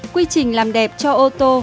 quy trình làm đẹp cho ô tô